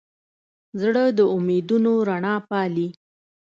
زړه د امیدونو رڼا پالي.